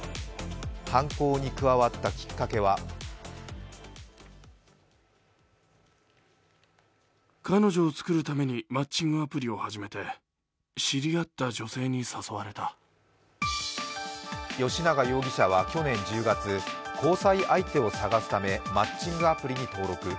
犯行に加わったきっかけは吉永容疑者は去年１０月、交際相手を探すためマッチングアプリに登録。